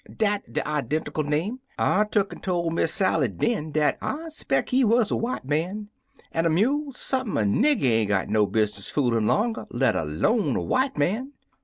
"Dat de identikil name. I tuck'n tola Miss Sally den dat I speck he wuz er Vite man, an* a mule's sump'n er nigger ain't got no business foolin' longer, let 'lone er white man.